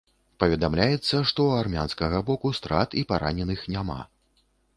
Паведамляецца, што ў армянскага боку страт і параненых няма.